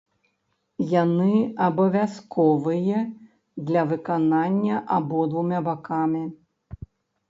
Яны абавязковыя для выканання абодвума бакамі.